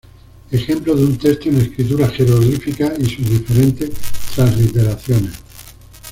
Ejemplo de un texto en escritura jeroglífica y sus diferentes transliteraciones.